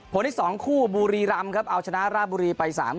ผลที่๒คู่บุรีรำครับเอาชนะราบุรีไป๓๐